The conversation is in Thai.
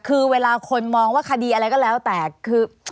คือเวลาคนมองว่าคดีอะไรก็แล้วแต่คือ